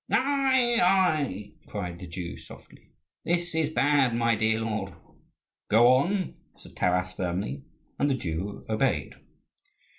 "Ai, ai!" cried the Jew softly: "this is bad, my dear lord!" "Go on!" said Taras, firmly, and the Jew obeyed.